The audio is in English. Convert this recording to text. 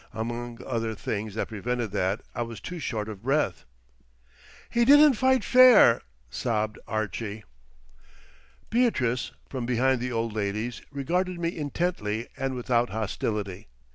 Among other things that prevented that, I was too short of breath. "He didn't fight fair," sobbed Archie. Beatrice, from behind the old ladies, regarded me intently and without hostility.